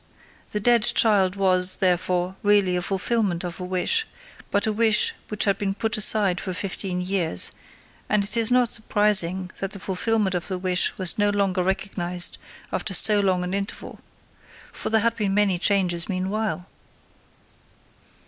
The dead child was, therefore, really the fulfillment of a wish, but a wish which had been put aside for fifteen years, and it is not surprising that the fulfillment of the wish was no longer recognized after so long an interval. For there had been many changes meanwhile.